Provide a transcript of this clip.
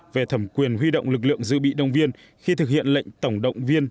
về thẩm quyền huy động lực lượng dự bị đồng viên khi thực hiện lệnh tổng động viên